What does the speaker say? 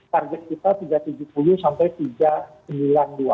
target kita tiga tujuh ratus sampai tiga sembilan ratus